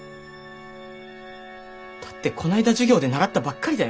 だってこないだ授業で習ったばっかりだよ。